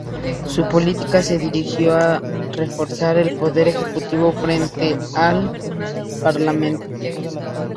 Su política se dirigió a reforzar el poder ejecutivo frente al Parlamento.